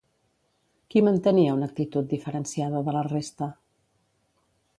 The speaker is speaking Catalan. Qui mantenia una actitud diferenciada de la resta?